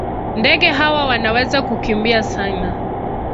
Ndege hawa wanaweza kukimbia sana.